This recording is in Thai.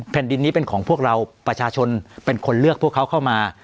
แผ่นดินนี้เป็นของพวกเราประชาชนเป็นคนเลือกพวกเขาเข้ามา